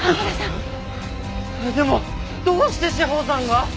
でもどうして詩帆さんが！？